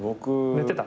寝てた？